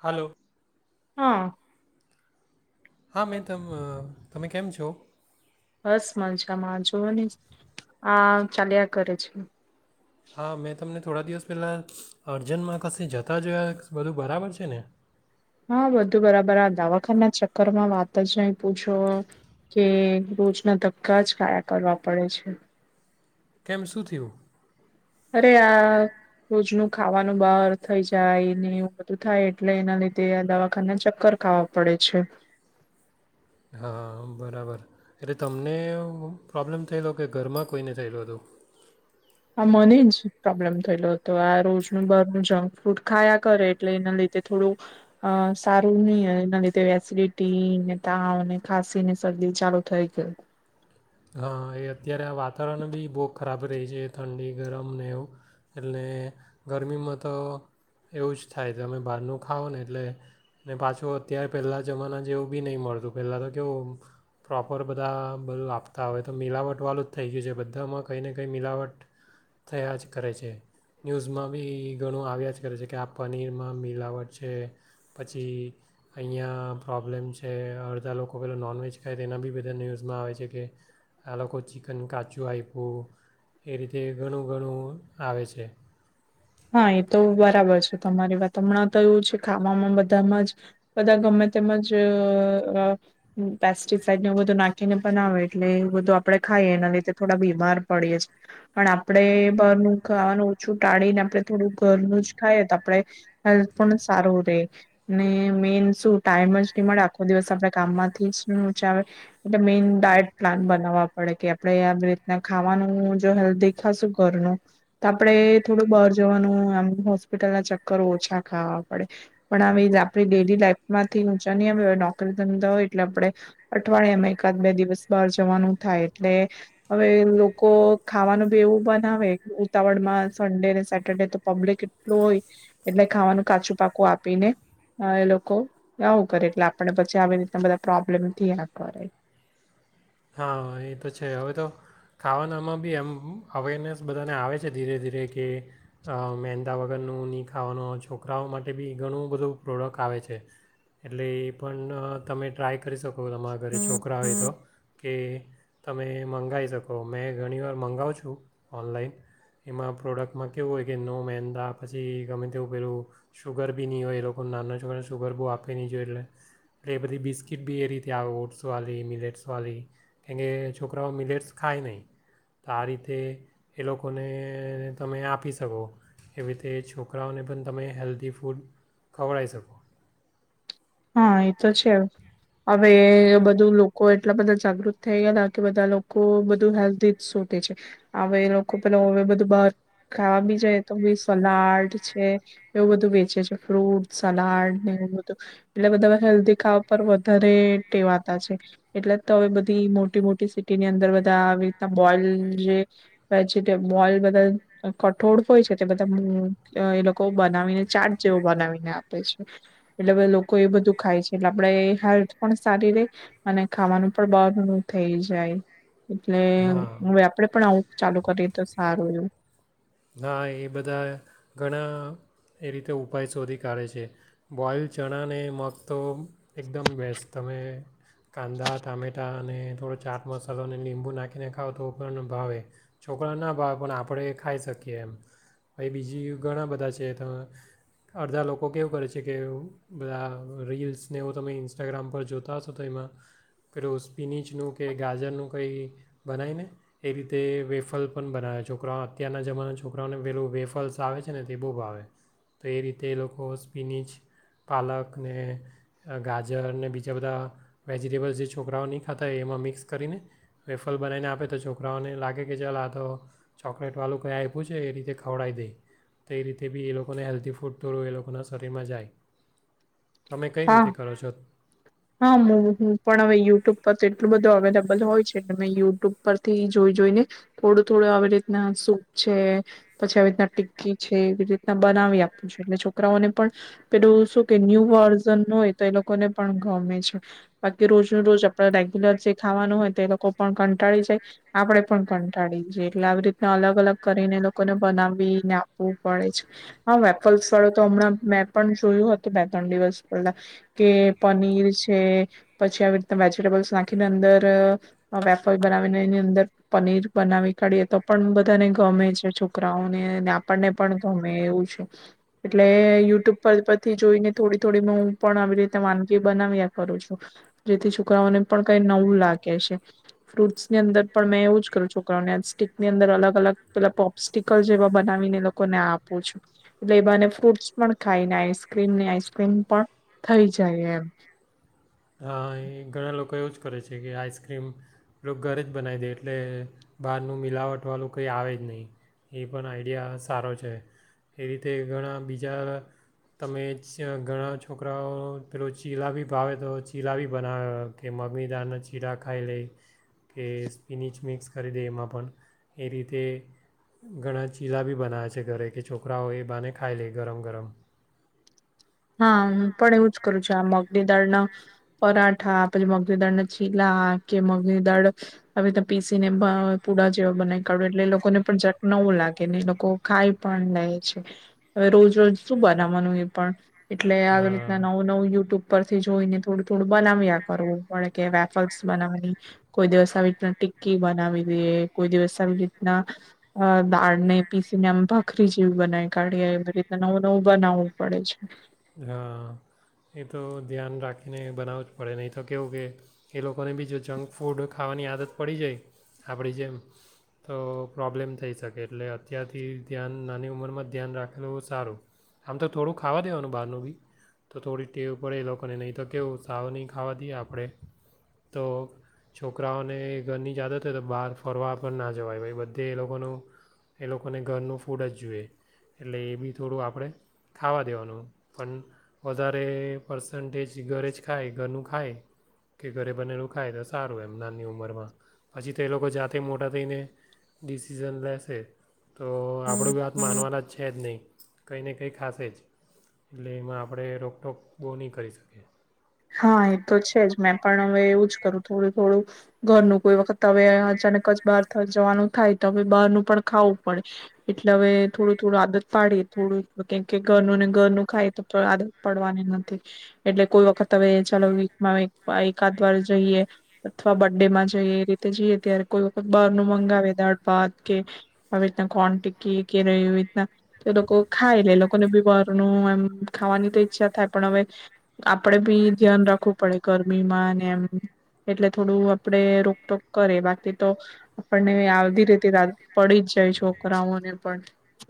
Hello હ, હમ્મ, એ તમ તમે કેમ છો. બસ મજામાં જુઓ ને આ ચાલ્યા કરે છે. હા, મેં તમને થોડા દિવસ પહેલાં અર્જન્ટમાં કશે જતા જોયા, બધું બરાબર છે. ને હા, બધું બરાબર આ દાવાખાના ચક્કર માં વાત જ નહી પૂછો કે, રોજના ધક્કા જ ખાયા કરવા પડે છે. કેમ શું થીયું? અરે આ રોજનું ખાવાનું બહાર થઈ જાય ને એવું બધું થાય, એટલે એના લીધે આ દવાખાનાના ચક્કર ખાવા પડે છે. હા, બરાબર એટલે તમને પ્રોબ્લેમ થયેલો કે ઘરમાં કોઈને થયેલું હતું. હા મને જ પ્રોબ્લેમ થયેલો હતો. આ રોજનું બાર ન જંક ફૂડ ખાયા કરે, એટલે એના લીધે થોડું અ સારું નહી, એના લીધે એસિડિટીને, તાવને, ખાસીને, શરદી ચાલુ થઈ ગયુ હા એ અત્યારે આ વાતાવરણ બી બહુ ખરાબ રહી છે. ઠંડી ગરમ ને એવું એટલે ગરમીમાં તો એવું જ થાય. તમે બહારનું ખાઓ ને એટલે ને પાછું અત્યારે, પહેલાં જમાના જેવું બી નહીં મળતું. પહેલાં તો કેવું પ્રોપર બધા બધું આપ તા આવેય તો મિલાવટ વાળું જ થઈ ગયું છે. બધામાં કંઈ ને કંઈ મિલાવટ થયા જ કરે છે. ન્યૂઝમાં બી ઘણું આવ્યા જ કરે છે, કે આ પનીરમાં મિલાવટ છે. પછી, અહીંયા પ્રોબ્લેમ છે. અડધા લોકો પેલાં નોનવેજ ખાય તો એના બી બધા ન્યૂઝમાં આવે છે. કે આ લોકો ચિકન કાચું આઈપ્યું એ રીતે ઘણું ઘણું આવે છે. હા, એ તો બરાબર છે. તમારી વાત હમણાં તો એવું છે. ખાવામાં બધામાં જ બધા ગમે તેમજ પેસ્ટિસાઈડ બધું નાખીને બનાવે, એટલે એ બધું આપડણે ખાઈએ એના લીધે થોડા બીમાર પડીએ છે. પણ આપડે બારનુ ખાવાનું ઓછું ટાળીને, આપ થોડું ઘરનું જ ખાઈ તો આપણે હેલ્થ પણ સારું રહે, ને મેઈન શું ટાઈમ જ ની મળે આખો દિવસ આપણે કામમાંથી જ ની ઉંચા આવે, એટલે મેઈન ડાયટ પ્લાન બનાવવા પડે કે, આપણેે આવી રીતના ખાવાનું જો હેલ્થી દેખાશું ઘરનું તો આપે થોડું બ વાનું આમ હોસ્પિટલ ના ચક્કર ઓછા ખાવા પડે પણ આવી આપ ડેલી લાઈફ માંથી ઊંચા નહીં, આવે આપડે નોકારી ધંધા હોય એટલે આપણે અઠવાડિયામાં એકાદ બે દિવસ બાર જવાનું થાય. એટલે હવે લોકો ખાવાનું બી એવું બનાવે ઉતાવળ માં સન્ડે ને શે ડે તો પબ્લિક એટલું હોય, એટલે ખાવાનું કાચું પાકું આપીને એ લોકો આવું કરે. એટલે આપને પછી આવી રીતના બધા પ્રોબ્લેમથીયા કરે. હા એ તો છે. હવે, તો ખાવાનામાં બી એમ અવેરનેસ બધાને આવે છે. ધીરે ધીરે કે મહેંદા વગરનું નહીં, ખાવાનું છોકરાઓ માટે બી ઘણું બધું પ્રોડક્ટ આવે છે. એટલે એ પણ તમે ટ્રાય કરી શકો તમારા ઘરે છોકરાઓ તો કે, તમે મંગાવી શકો મેં ઘણીવાર મંગાવું છું. ઓનલાઈન એમાં પ્રોડક્ટમાં કેવું હોય કે, નો મેંદા પછી ગમે તેવું પેલું શુગર બી નહીં હોય. એ લોકો ને નાનો છોકરાઓને શુગર બહુ આપવી નહીં, જોયે એટલે એટલે એ બધી બિસ્કીટ બી એ રીતે આવે ઓટ્સવાળી, મિલેટ્સવાળી, કેમકે, છોકરાઓ મિલેટસ ખાય નહીં, તો આ રીતે એ લોકોને તમે આપી શકો. એવી રીતે છોકરાઓને પણ તમે હેલ્ધી ફૂડ ખવડાઈ શકો. હા, એ તો છે. હવે બધું લોકો એટલા બધા જાગૃત થઈ ગયા કે, બધા લોકો બધું હેલ્ઘી જ શોધ છે. હ એ લોકો પેલા હવે, બધું બાર ખાવા બી જાય તો સલાડ છે. એવું બધું વેચે છે. ફ્રૂટ સલાડ ને એવું બધું એટલે બધા હેલ્ધી ખાવા પર વધારે ટેવાતા છે. એટલે તો હવે, બધી મોટી મોટી સિટીની અંદર બધા આવી રીના બોઈલ જે વેજી બોલ બધા કઠોળ હોય છે. તે બધા એ લોકો બનાવીને ચાટ જેવો બનાવીને આપે છે. એટલે બધા લોકો કોઈ એ બધું ખાય છે. એટલે આપણેે હેલ્થ પણ સારી રહી અને ખાવાનું પણ બહારું નુ થઈ જાય. એટલે હા હવે અ આપણે પણ આવું ચાલુ કરીએ તો સારું. હા, એ બધા ઘણા એ રીતે ઉપાય શોધી કાઢે છે. બોઇલ ચણા અને મગ તો એકદમ બેસ્ટ તમે કાંદા ટામેટા અને થોડો ચાટ મસાલો, અને લીંબુ નાખીને ખાવ તો પણ ભાવે છોકરા ના ભાવે પણ આપણે ખાઈ શકીએ. બીજી ઘણા બધા છે. અડધા લોકો કેવું કરે છે, કે બધા રીલ્સને હું તમે ઇન્સ્ટાગ્રામ પર જોતા હશો, તો એમાં પેલું સ્પિનિચનું કે ગાજરનું કઈ બનાયને એ રીતે વેફલ પણ બનાવે છોકરા અત્યારના જમાના છોકરાઓને પેલું વેફલ્સ આવે છે. ને તે બહુબ આવે તો એ રીતે એ લોકો સ્પિનિચ પાલક ને ગાજર ને બીજા બધા વેજિટેબલ્સ જે છોકરાઓ નહી ખાતા હો. એમાં મિક્સ કરીને વેફલ બનાવીને આપે તો છોકરાઓને લાગે કે ચાલ આ તો ચોકલેટવાળું કંઈ ઓખું છે. એ રીતે ખવડી દે તો એ રીતે બી એ લોકોને હેલ્ધી ફૂડ થોડું એ લોકોના શરીરમાં જાય. તમે કઈ હા રીતે કરો છો હાું પણ હવે યુટ્યુબ. એટલું બધું અવેલેબલ હોય છે એટલે મેં યુટ્યુબ પરથી જોઈ જોઈને થોડું થોડું આવી રીતના સૂપ છે પછી આવી રીતના ટિક્કી છે એવી રીતના બનાવી આપું છે એટલે છોકરાઓને પણ પેલું શું કે ન્યુ વર્. - હોય તો એ લોકોને પણ ગમે છે બાકી રોજનું રોજ આપણે રેગ્યુલર જે ખાવાનું હોય તો એ લોકો પણ કંટાળી જાય આપણે પણ કંટાળી જઈ એટલે આવી રીતના અલગ અલગ કરીને એ લોકોને બનાવીને આપવું પડે છે હા વેફલ વાળું તો હમણાં મેં પણ જોયું હતું બે ત્રણ દિવસ. કે પનીર છે પછી આવી રીતે વેજીિટેબલ્સ નાખીને અંદર. વેપળ બનાવીને. અંદર પનીર બનાવી કાઢીએે તો પણ બધાને ગમે છે છોકરાઓને અને આપણને પણ ગમે એવું છે એટલે યુટ્યુબ પર પરથી જોઈને થોડી થોડી. નુ પણ આવી રીતે વાનગી બનાવ્યા કરું છું જેથી છોકરાઓને પણ કઈ નવું લાગે છે ફ્રૂટ્સ ની અંદર પણ મેં એવું જ કરું છોકરાઓને સ્ટીકની અંદર અલગ અલગ પેલા પોપસ્ટીકલ જેવા બનાવીને એ લોકોને આપું છું એટલે એવાને ફ્રૂટ્સ પણ ખાઈને આઈસક્રીમ આઈસ્ક્રીમ. પણ થઈ જાય એમ. હા એ ઘણા લોકો એવું જ કરે છે કે આઈસ્ક્રીમ ઘરે જ બનાવી દે એટલે બહારનું મિલાવટવાળું કંઈ આવે જ નહીં એ પણ આઈડિયા સારો છે એ રીતે ઘણા બીજા તમે ઘણા છોકરાઓ પેલો ચીલા બી ભાવે તો ચીલા બી બનાવે કે મગી દાળના ચીલા ખાઈ લે કે સ્પીનિચ મિક્સ કરી દે એમાં પણ એ રીતે ઘણા ચીલા બી બનાવે છે ઘરે કે છોકરાઓ એ બાને ખાઈ લે ગરમ ગરમ. હા હ પણ એવું જ કરું છું આ મગની દાળ ના પરાઠા પછી મગની દાળના ચીલા કે મગની દાળ હવે પીસી ને પુડા જેવા બનાવી કાઢ એટલે એ લોકોને પણ જક નવું લાગે ને લોકો ખાઈ પણ લે છે હવે રોજ રોજ શું બનાવવાનું એ પણ. એટલે હા આવી રીતના નવું નવું યુટ્યુબ પર થી જોઈને થોડું થોડું બનાવ્યા કરવું પડે કે વેફલ્સ બનાવાની કોઈ દિવસ આવી રીતના ટિક્કી બનાવી દઈએ કોઈ દિવસ આવી રીતના અ દાળને પીસીને આમ ભાખરી જેવી બનાવી કાઢી એ બધી રીતના નવું નવું બનાવવું પડે છે. હા એ તો ધ્યાન રાખીને બનાવવું જ પડે નહીં તો કેવું કે એ લોકોને બી જો જંક ફૂડ ખાવાની આદત પડી જાય આપણી જેમ તો પ્રોબ્લેમ થઈ શકે એટલે અત્યારથી ધ્યાન નાની ઉંમરમાં જ ધ્યાન રાખેલું સારું આમ તો થોડું ખાવા દેવાનું બહારનું બી તો થોડી ટેવ પડે એ લોકોને નહીં તો કેવું સાવ નહીં ખાવા દઈએ આપણે તો છોકરાઓને ઘરની જ આદત હોય તો બહાર ફરવા પણ ના જવાય ભાઈ બધે એ લોકોનું એ લોકોને ઘરનું ફૂડ જ જુએ એટલે એ બી થોડું આપણે ખાવા દેવાનું. પણ વધારે પર્સન્ટેજ ઘરે જ ખાય ઘરનું ખાય કે ઘરે બનેલું ખાય તો સારું એમ નાની ઉંમરમાં પછી તે એ લોકો જાતે મોટા થઈને ડિસિઝન લેશે તો આપણું બી વાત માનવાના જ છે જ નહીં કંઈ ને કંઈ ખાશે જ. એટલે એમાં આપણે રોકટોક બહુ નહીં કરી શકીએ. હા એ તો છે જ મેં પણ હવે એવું જ કરું થોડું થોડું ઘરનું કોઈ વખત હવે અચાનક જ બહાર થ જવાનું થાય તો હવે બહારનું પણ ખાવું પડે એટલે હવે થોડું થોડું આદત પાડી થોડું કેમ કે ઘરનું ને ઘરનું ખાય તો આદત પડવાની નથી એટલે કોઈ વખત તો હવે ચાલો વીકમાં એકાદ વાર જઈએ અથવા બર્ડે માં જઈએ એ રીતે જઈએ ત્યારે કોઈ વખત બહાર નું મંગાવે દાળ ભાત કે આવી રીતના કોન ટીકી કે એવી રીતના તો એ લોકો ખાય એ લોકોને બી બહારનું એમ ખાવાની તો ઈચ્છા થાય પણ હવે આપણે બી ધ્યાન રાખવું પડે ગરમીમાં ને એમ એટલે થોડું આપણેે રોકટોક કરે બાકી તો આપણને આવધી રીતે રા પડી જ જાય છોકરાઓને પણ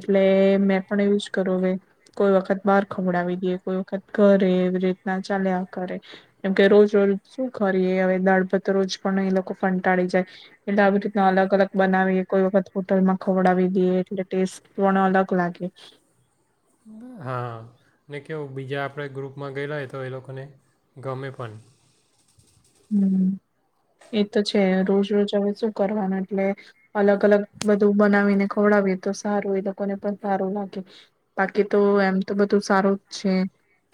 એટલે મેં પણ એવું જ કરું કે કોઈ વખત બહાર ખવડાવી દઈએ કોઈ વખત ઘરે એવી રીતે. ના ચાલે આ કરે કેમ કે રોજ રોજ શું કરીએ હવે દાળ ભાત તો રોજ પણ એ લોકો કંટાળી જાય એટલે આવી રીતના અલગ અલગ બનાવીએ કોઈ વખત હોટલમાં ખવડાવી દઈએ એટલે ટેસ્ટ પણ અલગ લાગે. હા ને કેવું બીજા આપણે ગ્રુપમાં ગયેલા હોય તો એ લોકોને ગમે પણ. હ એ તો છે રોજ રોજ હવે શું કરવાનું એટલે અલગ અલગ બધું બનાવીને ખવડાવીએ તો સારું એ લોકોને પણ સારું લાગે બાકી તો એમ તો બધું સારું જ છે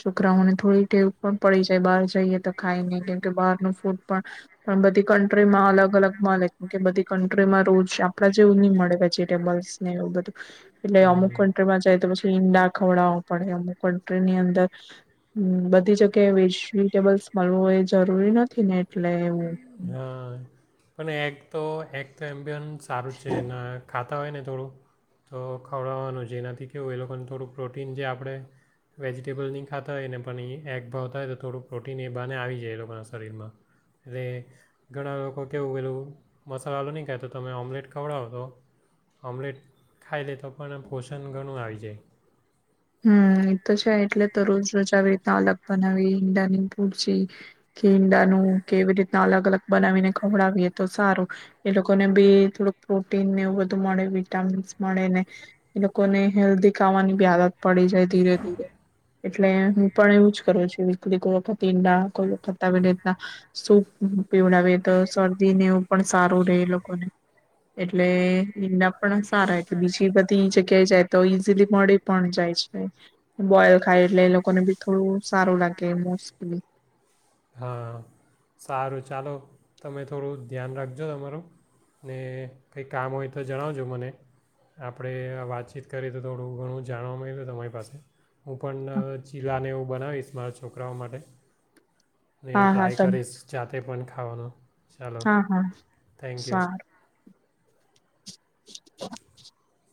છોકરાઓને થોડી ટેવ પણ પડી જાય બહાર જઈએ તો ખાઈને કેમ કે બહાર. નું ફૂડ પણ બધી કન્ટ્રીમાં અલગ અલગ મળે કે બધી કન્ટ્રીમાં રોજ આપડા જેવું ની મળે વેજીિટેબલ્સ ને એવું બધું એટલે અમુક હમ કન્ટ્રીમાં જાય તો પછી ઈંડા ખવડાવો પડે અમુક કન્ટ્રી ની અંદર બધી જગ્યાએ વેજટેબલ્સ મળવું એ જરૂરી નથી. ને એટલે એક તો એમબિયનસ સારું છે એના ખા તા હોય ને થોડું તો ખવડાવવાનું છે એનાથી કેવુંય એ લોકોને થોડું પ્રોટીન જે આપણે વેજીટેબલ નહી ખાતા હોય ને પણ એ એગ ભાવતા તો થોડું પ્રોટીન એ બાને આવી જાય એ લોકોના શરીરમાં એટલે ઘણા લોકો કેવું પેલું મ સાલા વાળું નહીં કહે તો તમે ઓમ્લેટ ખવડાવો તો ઓમ્લેટ ખાઈ લે તો પણ પોષણ ઘણું આવી જાય. હમ એતો છે એટલે તો રોજ રોજ આવી રીતના અલગ બનાવીએ ઈંડાની ભુરજી કે ઈંડાનું કે એવી રીતના અલગ અલગ બનાવીને ખવડાવીએ તો સારું એ લોકોને બી થોડુંક પ્રોટીન ને એવું બધું મળે વિટામીન્સ મળે ને એ લોકોને હેલ્ધી ખાવાની બી હાલત પડી જાય ધીરે ધીરે એટલે હું પણ એવું જ કરું છું. એટલે કોઈ વખત ઈંડા કોઈ વખત આવે રીતના સૂપ પીવડાવે તો શરદી ને એવું પણ સારું રહેે એ લોકોને એટલે ઈંડા પણ સારા એટલે બીજી બધી જગ્યાએ જાય તો ઈઝીલી મળી પણ જાય. છે. બોયલ ખાય એટલે એ લોકોને બી થોડું સારું લાગે મોસ્લી. હા સારું ચાલો તમે થોડું ધ્યાન રાખજો તમારું ને કંઈ કામ હોય તો જણાવજો મને આપણે વાતચીત કરીએ તો થોડું ઘણું જાણવા મયલુ તમારી પાસે હું પણ ચીલા ને એવું બનાવીશ. મારા છોકરાઓ માટે. અને હા હા ટ્રાય તમ કરીશ ચા જે પણ ખવાનું હા હા સારું. [inaudible]